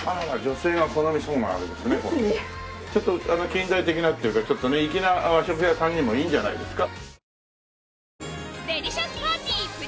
ちょっと近代的なっていうかちょっとね粋な和食屋さんにもいいんじゃないですか。